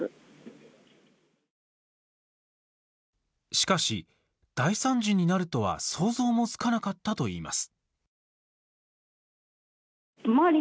しかし、大惨事になるとは想像もつかなかったといいます。